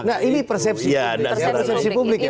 nah ini persepsi publik ya pak